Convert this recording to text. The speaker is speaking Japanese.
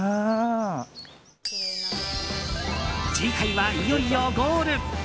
次回は、いよいよゴール。